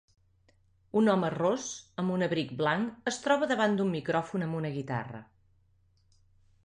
Un home ros amb un abric blanc es troba davant d'un micròfon amb una guitarra.